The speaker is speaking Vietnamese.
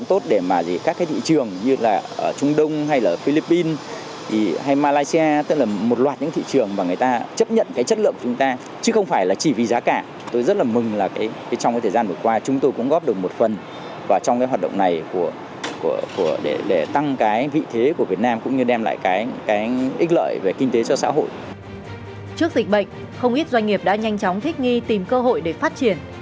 trước dịch bệnh không ít doanh nghiệp đã nhanh chóng thích nghi tìm cơ hội để phát triển